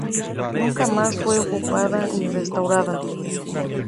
Nunca más fue ocupada ni restaurada.